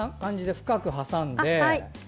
深く挟んで。